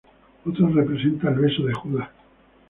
Otra representa el Beso de Judas.